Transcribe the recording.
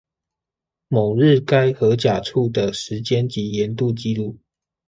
某日該河甲處的時間及鹽度記錄